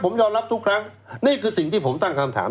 ผมยอมรับทุกครั้งนี่คือสิ่งที่ผมตั้งคำถาม